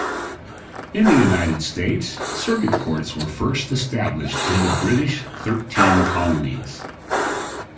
In the United States, circuit courts were first established in the British Thirteen Colonies.